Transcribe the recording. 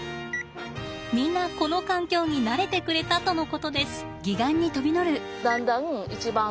みんなこの環境に慣れてくれたとのことです。